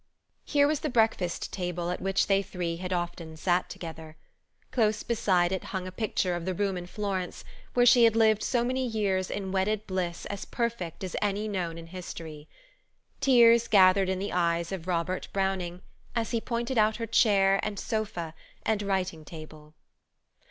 Here was the breakfast table at which they three had often sat together. Close beside it hung a picture of the room in Florence, where she lived so many years in a wedded bliss as perfect as any known in history. Tears gathered in the eyes of Robert Browning, as he pointed out her chair, and sofa, and writing table.